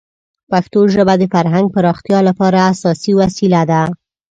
پښتو ژبه د فرهنګ پراختیا لپاره اساسي وسیله ده.